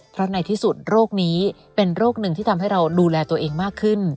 เพราะในที่สุดโรคนี้เป็นโรคหนึ่งที่ทำให้เราดูแลตัวเองมากขึ้น